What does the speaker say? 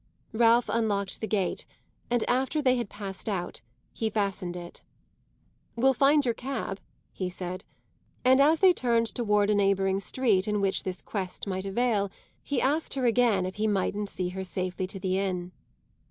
Ralph unlocked the gate, and after they had passed out he fastened it. "We'll find your cab," he said; and as they turned toward a neighbouring street in which this quest might avail he asked her again if he mightn't see her safely to the inn.